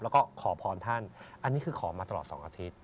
แล้วก็ขอพรท่านอันนี้คือขอมาตลอด๒อาทิตย